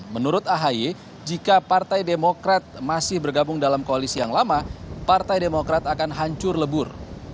menurut ahy jika partai demokrat masih bergabung dalam koalisi yang lama partai demokrat akan hancur lebur